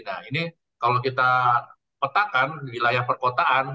nah ini kalau kita petakan di wilayah perkotaan